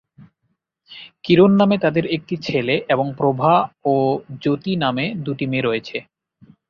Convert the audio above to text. কিরণ নামে তাদের একটি ছেলে এবং প্রভা ও জ্যোতি নামে দুটি মেয়ে রয়েছে।